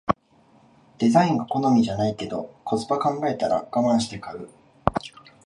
デザインが好みじゃないけどコスパ考えたらガマンして買う